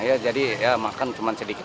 ya jadi ya makan cuma sedikit